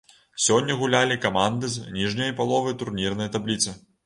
Сёння гулялі каманды з ніжняй паловы турнірнай табліцы.